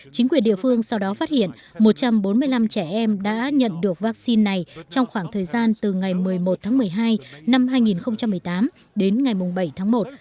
chính quyền địa phương sau đó phát hiện một trăm bốn mươi năm trẻ em đã nhận được vaccine này trong khoảng thời gian từ ngày một mươi một tháng một mươi hai năm hai nghìn một mươi tám đến ngày bảy tháng một